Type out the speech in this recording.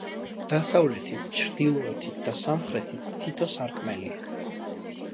დასავლეთით, ჩრდილოეთით და სამხრეთით თითო სარკმელია.